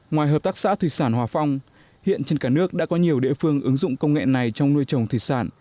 ngoài hợp tác xã thủy sản hòa phong hiện trên cả nước đã có nhiều địa phương ứng dụng công nghệ này trong nuôi trồng thủy sản